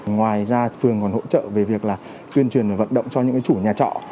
ngoài ra phường còn hỗ trợ về việc tuyên truyền và vận động cho những chủ nhà trọ